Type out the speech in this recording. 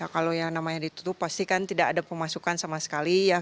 kalau yang namanya ditutup pastikan tidak ada pemasukan sama sekali